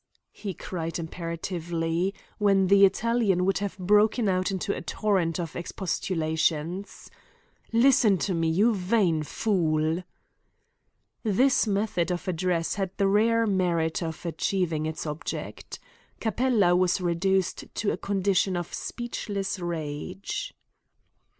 he cried imperatively, when the Italian would have broken out into a torrent of expostulations. "Listen to me, you vain fool!" This method of address had the rare merit of achieving its object. Capella was reduced to a condition of speechless rage.